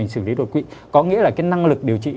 xử lý đột quỵ có nghĩa là cái năng lực điều trị